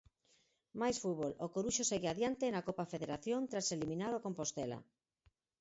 Máis fútbol, o Coruxo segue adiante na Copa Federación tras eliminar o Compostela.